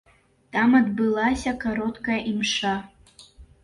Там адбылася кароткая імша.